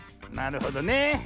なるほどね。